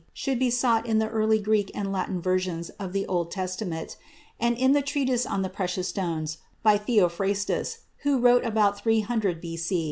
should be sought in the early Greek and Latin versions of the Old Testament, and in the treatise on precious stones by Theophrastus, who wrote about 300 B.C.